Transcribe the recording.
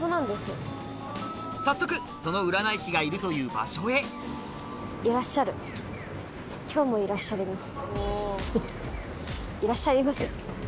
早速その占い師がいるという場所へいらっしゃいます。